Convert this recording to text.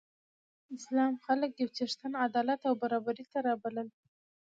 اسلام خلک یو څښتن، عدالت او برابرۍ ته رابلل.